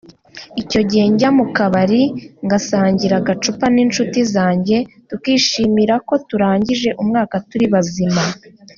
Icyo gihe njya mu kabari ngasangira agacupa n’inshuti zanjye tukishimira ko turangije umwaka turi bazima”